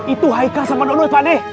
itu haika sama donut pak deh